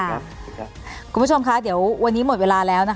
ครับคุณผู้ชมคะเดี๋ยววันนี้หมดเวลาแล้ว